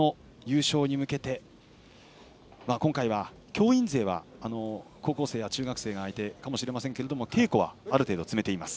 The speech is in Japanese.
念願の優勝に向けて今回は、教員勢は高校生や中学生が相手かもしれませんが稽古はある程度積めています。